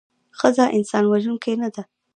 ښځه انسان وژوونکې نده